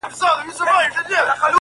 دردونه څنګه خطاباسې د ټکور تر کلي؛